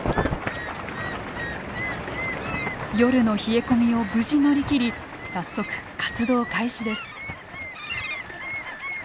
夜の冷え込みを無事乗り切り早速活動開始です。